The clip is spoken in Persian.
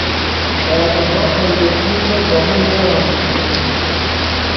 بعدها آن دو تیم را با هم در آمیختند.